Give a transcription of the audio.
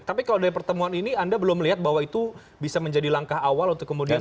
tapi kalau dari pertemuan ini anda belum melihat bahwa itu bisa menjadi langkah awal untuk kemudian